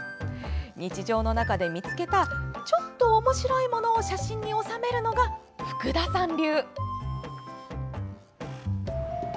日常の中で見つけたちょっとおもしろいものを写真に収めるのが福田さん流。